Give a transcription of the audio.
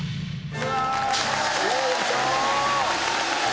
うわ！